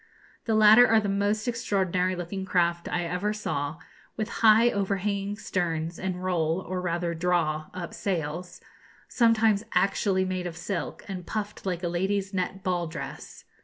The latter are the most extraordinary looking craft I ever saw, with high, overhanging sterns and roll, or rather draw, up sails, sometimes actually made of silk, and puffed like a lady's net ball dress.